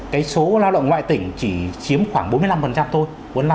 cái số lao động ngoại tỉnh chỉ chiếm khoảng bốn mươi năm thôi